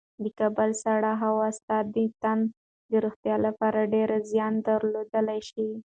د کابل سړې هوا ستا د تن د روغتیا لپاره ډېر زیان درلودلی شي.